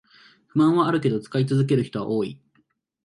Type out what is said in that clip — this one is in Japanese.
不満はあるけど使い続ける人は多い